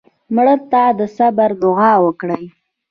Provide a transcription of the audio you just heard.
مړه ته د صبر دوعا وکړې